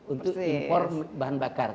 untuk impor bahan bakar